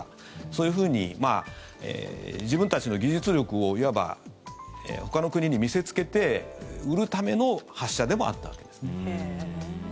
そういうふうに自分たちの技術力をいわば、ほかの国に見せつけて売るための発射でもあったわけですね。